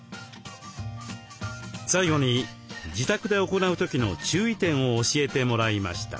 最後に自宅で行う時の注意点を教えてもらいました。